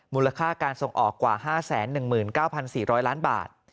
มูลค่าการส่งออกกว่า๕๑๙๔๐๐ล้านบาท